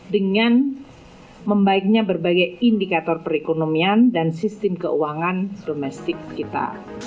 dengan membaiknya berbagai indikator perekonomian dan sistem keuangan domestik kita